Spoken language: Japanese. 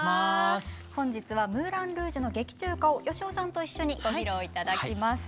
本日は「ムーラン・ルージュ！」の劇中歌を芳雄さんと一緒にご披露頂きます。